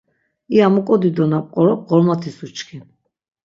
İya muk̆o dido na p̌qorop Ğormotis uçkins.